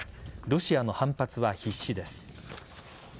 ロシアの反発は必至です。